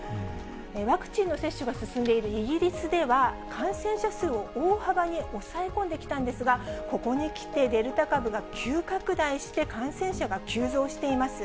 ワクチンの接種が進んでいるイギリスでは、感染者数を大幅に抑え込んできたんですが、ここに来て、デルタ株が急拡大して、感染者が急増しています。